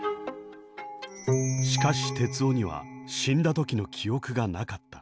しかし徹生には死んだ時の記憶がなかった。